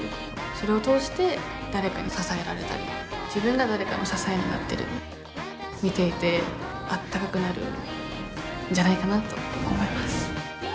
それを通して誰かに支えられたり自分が誰かの支えになったり見ていてあったかくなるんじゃないかなと思います。